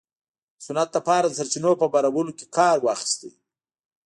د صنعت لپاره د سرچینو په برابرولو کې کار واخیست.